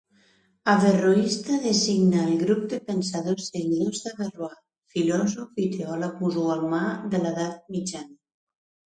Averroista designa el grup de pensadors seguidors d'Averrois, filòsof i teòleg musulmà de l'edat mitjana.